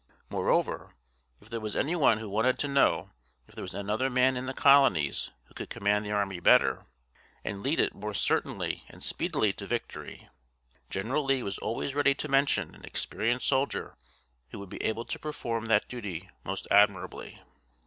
Moreover, if there was any one who wanted to know if there was another man in the Colonies who could command the army better, and lead it more certainly and speedily to victory, General Lee was always ready to mention an experienced soldier who would be able to perform that duty most admirably.